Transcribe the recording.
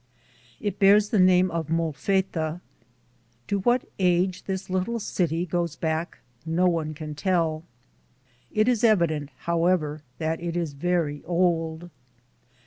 It bears the name of "Molfetta." To what age this little city goes back no one can tell. It is evident, however, that it is very old.